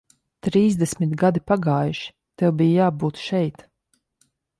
Trīsdesmit gadi pagājuši, tev bija jābūt šeit.